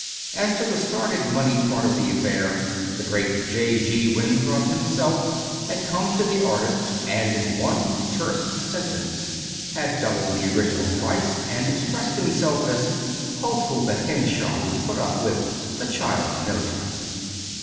As to the sordid money part of the affair the great J. G. Winthrop himself had come to the artist, and in one terse sentence had doubled the original price and expressed himself as hopeful that Henshaw would put up with "the child's notions."